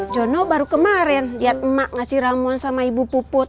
jono baru kemarin liat wivesih ramon sama ibu puput